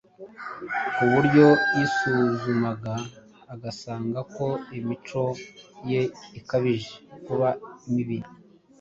ku buryo yisuzumaga agasanga ko imico ye ikabije kuba mibi.